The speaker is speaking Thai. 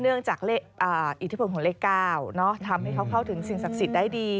เนื่องจากอิทธิพลของเลข๙ทำให้เขาเข้าถึงสิ่งศักดิ์สิทธิ์ได้ดี